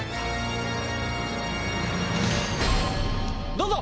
どうぞ！